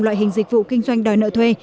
loại hình dịch vụ kinh doanh đòi nợ thuê